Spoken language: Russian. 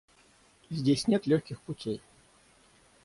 Здесь нет легких путей.